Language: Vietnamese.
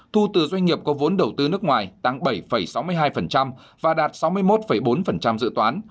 thu từ doanh nghiệp có vốn đầu tư nước ngoài tăng bảy sáu mươi hai và đạt sáu mươi một bốn dự toán